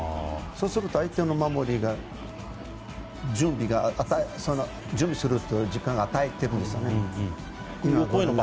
そうすると、相手の守りが準備する時間を与えているんですよね。